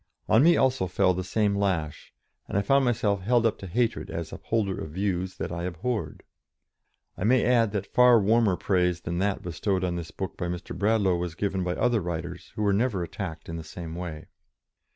On me also fell the same lash, and I found myself held up to hatred as upholder of views that I abhorred. I may add that far warmer praise than that bestowed on this book by Mr. Bradlaugh was given by other writers, who were never attacked in the same way.